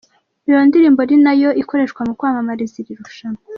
Iyo ndirimbo ni na yo ikoreshwa mu kwamamaza iri rushanwa.